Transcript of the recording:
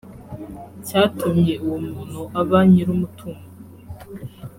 cyatumye uwo muntu aba nyir umutungo